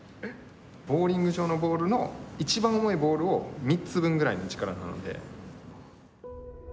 ボーリング場のボールの一番重いボールを３つ分ぐらいの力なので。